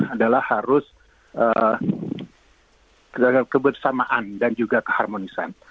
adalah harus terhadap kebersamaan dan juga keharmonisan